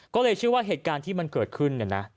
ก็เลยเชื่อว่าเหตุการณ์ที่มันเกิดขึ้นเนี่ยนะ